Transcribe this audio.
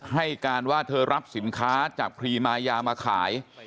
ให้การว่าเธอรับสินค้าจากพรีมายามาขาย